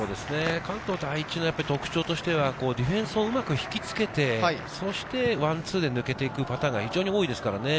関東第一の特徴はディフェンスをうまく引きつけて、そしてワンツーで抜けていくパターンが非常に多いですからね。